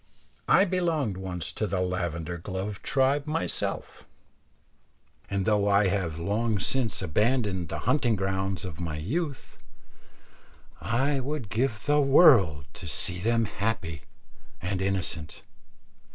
I belonged once to the lavender gloved tribe myself, and though I have long since abandoned the hunting grounds of my youth, I would give the world to see them happy and innocent.